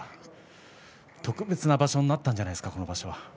特別な場所になったんじゃないですか、今場所は。